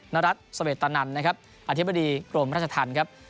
รัฐสเวตนันนะครับอธิบดีกรมราชธรรมครับ